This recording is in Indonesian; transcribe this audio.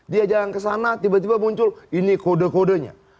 dia jalan kesana tiba tiba muncul ini kode kodenya